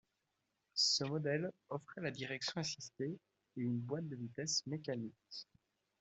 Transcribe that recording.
Ce modèle offrait la direction assistée et une boîte de vitesses mécanique.